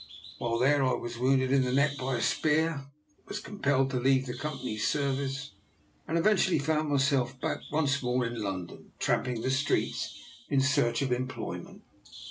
While there I was wounded in the neck by a spear, was compelled to leave the Company's serv ice, and eventually found myself back once more in London tramping the streets in search of employment.